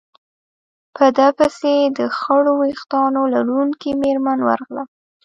په ده پسې د خړو ورېښتانو لرونکې مېرمن ورغله.